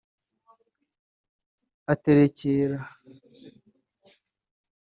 aterekera